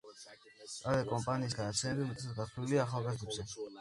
ტელეკომპანიის გადაცემები უმეტესად გათვლილია ახალგაზრდებზე.